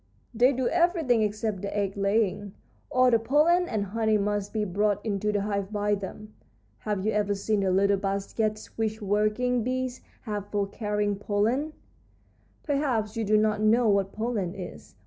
"They do everything except the egg laying. All the pollen and honey must be brought into the hive by them. Have you ever seen the little baskets which working bees have for carrying pollen? Perhaps you do not know what pollen is.